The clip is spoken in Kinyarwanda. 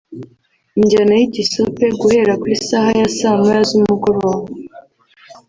injyana y’igisope guhera ku isaha ya saa moya z’umugoroba